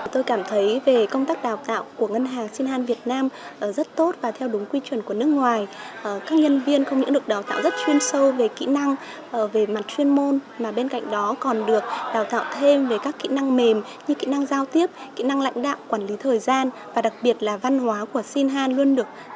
tôi cảm thấy về công tác đào tạo của ngân hàng sinh han việt nam rất tốt và theo đúng quy chuẩn của nước ngoài các nhân viên không những được đào tạo rất chuyên sâu về kỹ năng về mặt chuyên môn mà bên cạnh đó còn được đào tạo thêm về các kỹ năng mềm như kỹ năng giao tiếp kỹ năng lãnh đạo quản lý thời gian và đặc biệt là văn hóa của sinh han luôn được